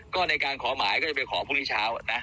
ก็ในการขอหมายก็จะไปขอพรุ่งนี้เช้านะ